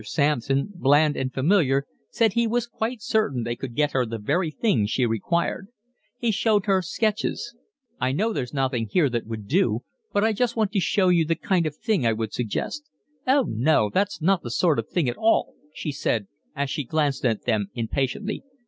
Sampson, bland and familiar, said he was quite certain they could get her the very thing she required. He showed her sketches. "I know there's nothing here that would do, but I just want to show you the kind of thing I would suggest." "Oh no, that's not the sort of thing at all," she said, as she glanced at them impatiently.